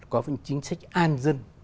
có những chính sách an dân